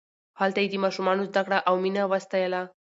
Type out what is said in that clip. هلته یې د ماشومانو زدکړه او مینه وستایله.